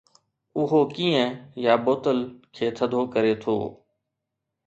اهو ڪين يا بوتل کي ٿڌو ڪري ٿو.